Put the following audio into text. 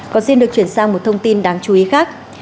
còn xin được chuyển sang một thông tin đáng chú ý khác